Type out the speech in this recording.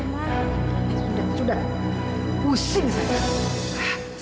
sudah sudah pusing saya